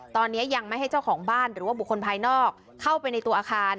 ตอนนี้ยังไม่ให้เจ้าของบ้านหรือว่าบุคคลภายนอกเข้าไปในตัวอาคาร